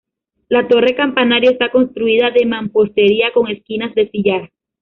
La torre campanario está construida de mampostería con esquinas de sillar.